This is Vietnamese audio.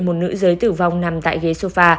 một nữ giới tử vong nằm tại ghế sofa